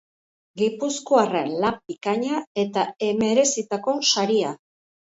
Gipuzkoarren lan bikaina eta merezitako saria.